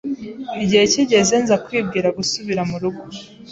igihe kigeze nza kwibwira gusubira mu rugo